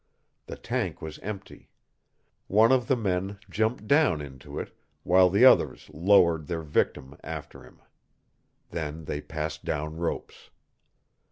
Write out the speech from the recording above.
The tank was empty. One of the men jumped down into it, while the others lowered their victim after him. Then they passed down ropes.